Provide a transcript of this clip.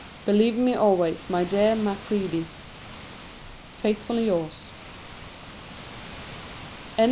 Believe me always, my dear Macready, Faithfully yours. 1839.